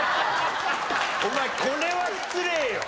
お前これは失礼よ。